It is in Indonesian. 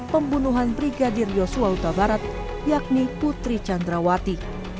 pembunuhan brigadir yosua utabarat yakni putri candrawati